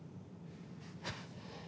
フッ。